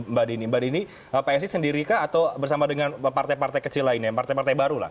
mbak dini mbak dini psi sendiri kah atau bersama dengan partai partai kecil lainnya partai partai baru lah